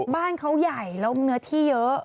บ้านเขาใหญ่แล้วเนื้อที่เยอะ